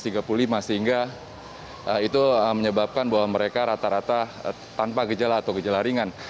sehingga itu menyebabkan bahwa mereka rata rata tanpa gejala atau gejala ringan